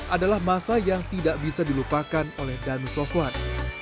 adalah masa yang tidak bisa dilupakan oleh danusofuan